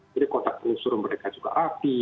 jadi kotak kotak mereka juga rapi